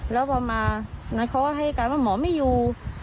แล้วพอมานั้นเขาก็ให้การว่าหมอไม่อยู่